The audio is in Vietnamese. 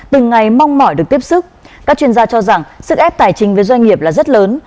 từng ngày mong mỏi được tiếp sức các chuyên gia cho rằng sức ép tài chính với doanh nghiệp là rất lớn